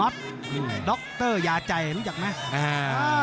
ดรยาใจรู้จักไหม